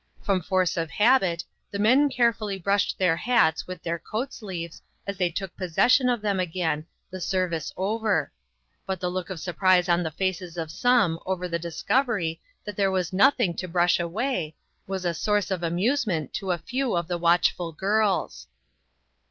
From force of habit, the men carefully brushed their hats with their coat sleeves as they took possession of them again, the service over ; but the look of surprise on the faces of some over the discovery that there was nothing to brush away, was a source of amusement to a few of the watchful girls.